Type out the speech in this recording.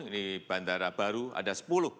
ini bandara baru ada sepuluh